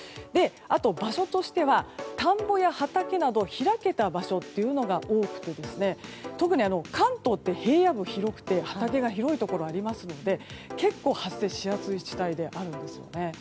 あと、場所としては田んぼや畑など開けた場所というのが多くて特に関東って平野部が広くて畑が広いところがありますので結構、発生しやすい地帯であるんですよね。